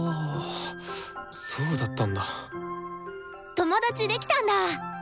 友達できたんだ。